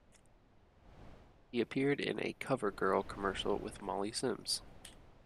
He appeared in a "CoverGirl" commercial with Molly Sims.